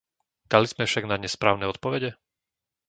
Dali sme však na ne správne odpovede?